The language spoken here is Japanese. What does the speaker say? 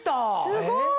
すごい！